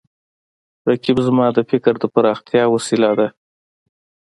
رقیب زما د فکر د پراختیا وسیله ده